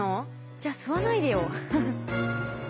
じゃあ吸わないでよ。